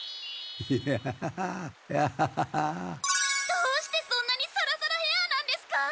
どうしてそんなにサラサラヘアなんですか？